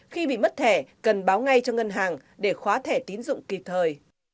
khi bị mất thẻ cần báo ngay cho ngân hàng để khóa thẻ tiến dụng kịp thời